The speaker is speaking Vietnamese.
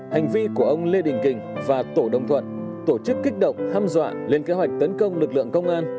hành vi của ông lê đình kình và tổ đồng thuận tổ chức kích động hâm dọa lên kế hoạch tấn công lực lượng công an